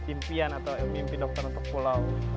impian atau mimpi dokter untuk pulau